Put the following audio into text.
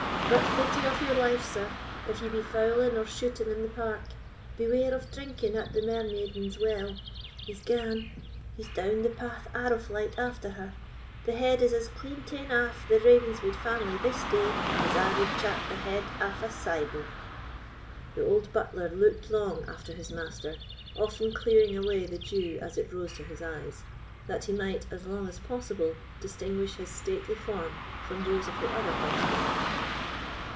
But pity of your life, sir, if ye be fowling or shooting in the Park, beware of drinking at the Mermaiden's Well—He's gane! he's down the path arrow flight after her! The head is as clean taen aff the Ravenswood family this day as I wad chap the head aff a sybo!" The old butler looked long after his master, often clearing away the dew as it rose to his eyes, that he might, as long as possible, distinguish his stately form from those of the other horsemen.